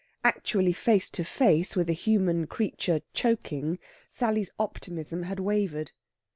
Actually face to face with a human creature choking, Sally's optimism had wavered.